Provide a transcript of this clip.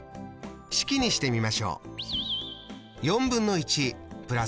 式にしてみましょう。